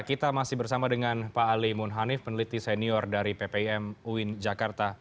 kita masih bersama dengan pak ali munhanif peneliti senior dari ppim uin jakarta